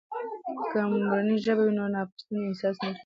که مورنۍ ژبه وي، نو ناپښتنې احساس نه کیږي.